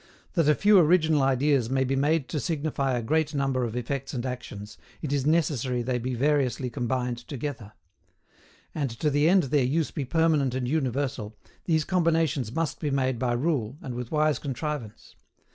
That a few original ideas may be made to signify a great number of effects and actions, it is necessary they be variously combined together. And, to the end their use be permanent and universal, these combinations must be made by rule, and with wise contrivance.